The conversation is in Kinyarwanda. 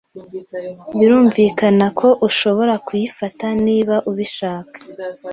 Birumvikana ko ushobora kuyifata niba ubishaka.